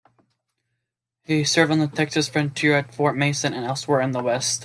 He served on the Texas frontier at Fort Mason and elsewhere in the West.